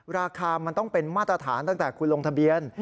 ราคามันต้องเป็นมาตรฐานตั้งแต่คุณลงทะเบียน